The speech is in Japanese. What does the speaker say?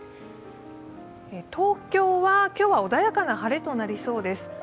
東京は今日は穏やかな晴れとなりそうです。